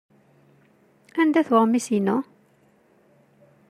Anda-t weɣmis-inu?